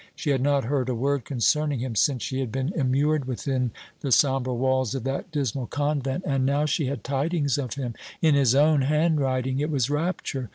She had not heard a word concerning him since she had been immured within the sombre walls of that dismal convent, and now she had tidings of him in his own handwriting! It was rapture!